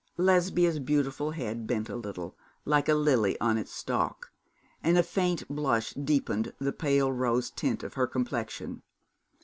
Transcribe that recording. Lesbia's beautiful head bent a little, like a lily on its stalk, and a faint blush deepened the pale rose tint of her complexion.